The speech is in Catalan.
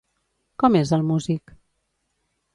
Com és el músic?